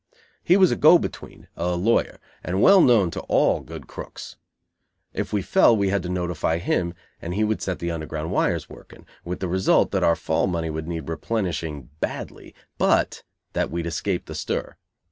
He was a go between, a lawyer, and well known to all good crooks. If we "fell" we had to notify him and he would set the underground wires working, with the result that our fall money would need replenishing badly, but that we'd escape the stir.